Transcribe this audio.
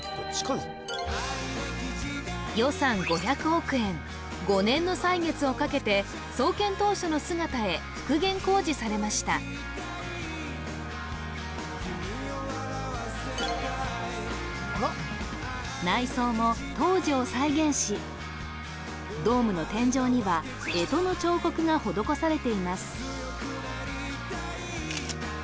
予算５００億円５年の歳月をかけて創建当初の姿へ復原工事されました内装も当時を再現しドームの天井には干支の彫刻が施されています